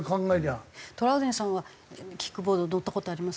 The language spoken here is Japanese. トラウデンさんはキックボード乗った事ありますか？